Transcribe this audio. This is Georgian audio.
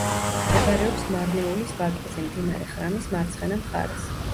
მდებარეობს მარნეულის ვაკეზე, მდინარე ხრამის მარცხენა მხარეს.